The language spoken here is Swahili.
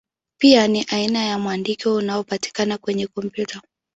Pia ni aina ya mwandiko unaopatikana kwenye kompyuta.